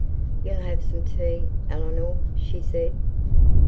'You'll have some tea, Eleanor,' she said.